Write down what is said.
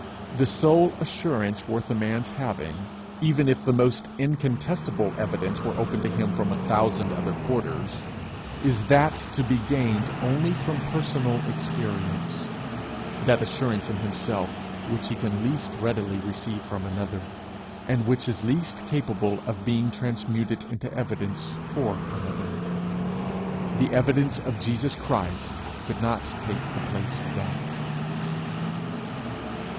The sole assurance worth a man's having, even if the most incontestable evidence were open to him from a thousand other quarters, is that to be gained only from personal experience that assurance in himself which he can least readily receive from another, and which is least capable of being transmuted into evidence for another. The evidence of Jesus Christ could not take the place of that.